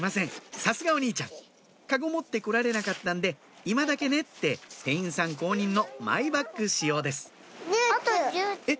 さすがお兄ちゃんかご持って来られなかったんで「今だけね」って店員さん公認のマイバッグ使用ですえっ？